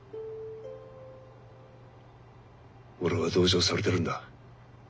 俺は同情されてるんだ。